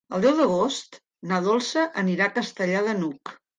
El deu d'agost na Dolça anirà a Castellar de n'Hug.